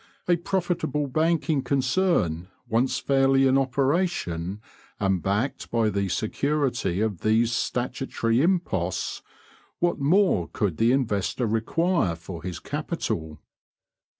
A profitable banking concern once fairly in operation, and backed by the security of these statutory imposts, what more could the investor require for his capital?